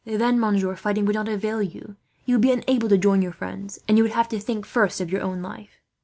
Then, monsieur, fighting would not avail you. You would be unable to join your friends, and you would have to think first of your own life.